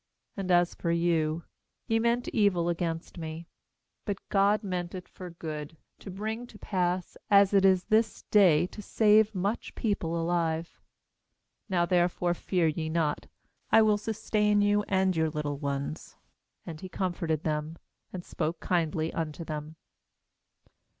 20And as for you, ye meant evil against me; but God meant it for good, to bring to p'ass, as it is this day, to save much people alive. ^Now therefore fear ye not; I will sustain you, and your little ones.' And he comforted them, and spoke kindly unto them.